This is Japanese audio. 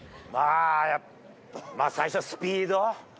最初はスピード。